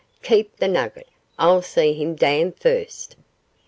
Keep the nugget? I'll see him damned first.